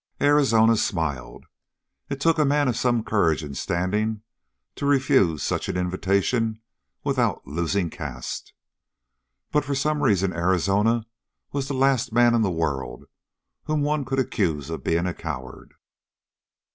Arizona smiled. It took a man of some courage and standing to refuse such an invitation without losing caste. But for some reason Arizona was the last man in the world whom one could accuse of being a coward.